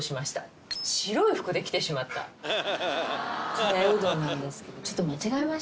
カレーうどんなんですけど。